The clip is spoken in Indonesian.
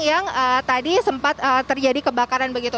yang tadi sempat terjadi kebakaran begitu